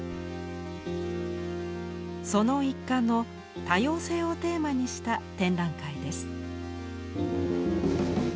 その一環の多様性をテーマにした展覧会です。